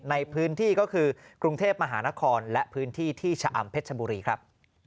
ในพื้นที่ก็คือกรุงเทพมหานครและพื้นที่ที่ชะอำเพชรชบุรีครับ